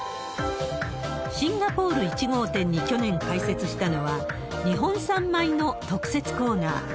シンガポール１号店に去年開設したのは、日本産米の特設コーナー。